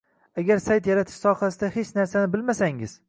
Agar sayt yaratish sohasida hech narsani bilmasangiz